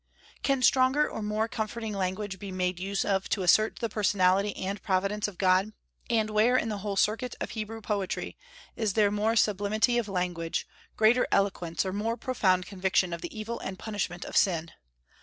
Can stronger or more comforting language be made use of to assert the personality and providence of God? And where in the whole circuit of Hebrew poetry is there more sublimity of language, greater eloquence, or more profound conviction of the evil and punishment of sin?